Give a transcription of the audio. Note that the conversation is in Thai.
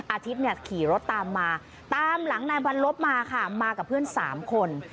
อาทิตย์เนี่ยขี่รถตามมาตามหลังนายบรรลบมาค่ะมากับเพื่อน๓คน